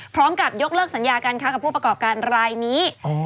พร้อมกับยกเลิกสัญญาการค้ากับผู้ประกอบการรายนี้